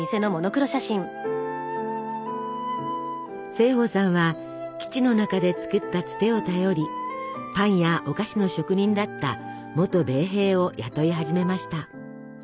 盛保さんは基地の中で作ったツテを頼りパンやお菓子の職人だった元米兵を雇い始めました。